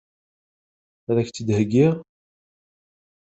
Ad k-tt-id-heggiɣ?